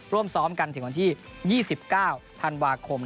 ร่วมซ้อมกันถึงวันที่๒๙ธันวาคม